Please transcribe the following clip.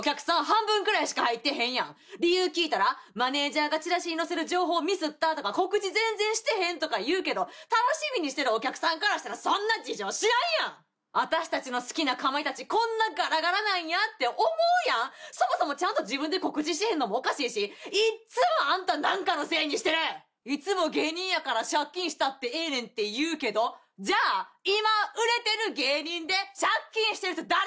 半分くらいしか入ってへんやん理由聞いたらマネージャーがチラシに載せる情報をミスったとか告知全然してへんとか言うけど楽しみにしてるお客さんからしたらそんな事情知らんやん私達の好きなかまいたちこんなガラガラなんやって思うやんそもそもちゃんと自分で告知してへんのもおかしいしいっつもあんた何かのせいにしてるいつも芸人やから借金したってええねんって言うけどじゃあ今売れてる芸人で借金してる人誰？